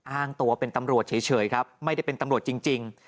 อ้างตัวเป็นตำรวจเฉยครับไม่ได้เป็นตำรวจจริง